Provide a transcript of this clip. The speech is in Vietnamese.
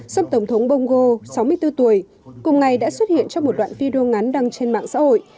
xâm tổng thống bongo sáu mươi bốn tuổi cùng ngày đã xuất hiện trong một đoạn video ngắn đăng trên mạng xã hội